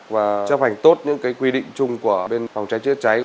và chấp hành tốt những quy định chung của phòng cháy giữa cháy